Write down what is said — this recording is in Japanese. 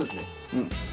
うん。